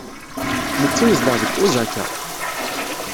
Netta yezdeɣ deg Osaka.